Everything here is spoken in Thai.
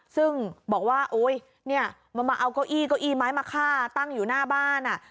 ซึ่งบอกว่าโอ๊ยเนี่ยมันมาเอาเก้าอี้เก้าอี้ไม้มาฆ่าตั้งอยู่หน้าบ้าน